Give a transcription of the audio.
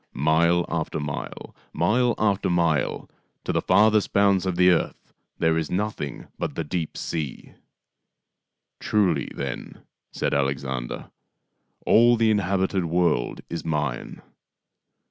" Mile after mile, mile after mile, to the farthest bounds of the earth there is nothing but the deep sea." " Truly, then," said Alexander, " all the inhabited world is mine.